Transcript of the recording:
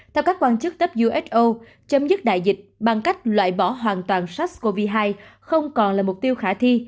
theo các quan chức cấp uso chấm dứt đại dịch bằng cách loại bỏ hoàn toàn sars cov hai không còn là mục tiêu khả thi